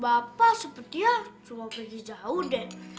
bapak sepertinya rumah pergi jauh deh